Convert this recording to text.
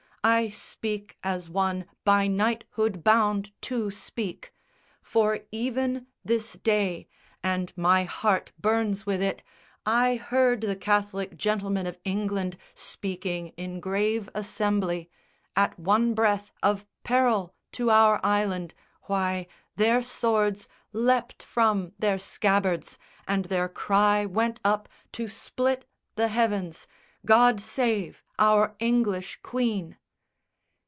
I speak as one by knighthood bound to speak; For even this day and my heart burns with it I heard the Catholic gentlemen of England Speaking in grave assembly. At one breath Of peril to our island, why, their swords Leapt from their scabbards, and their cry went up To split the heavens _God save our English Queen!